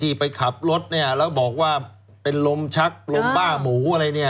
ไปขับรถเนี่ยแล้วบอกว่าเป็นลมชักลมบ้าหมูอะไรเนี่ย